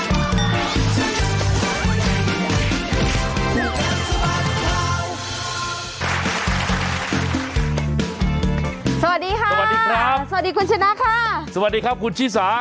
สวัสดีค่ะสวัสดีครับสวัสดีคุณชนะค่ะสวัสดีครับคุณชิสา